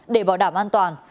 để bảo đảm an toàn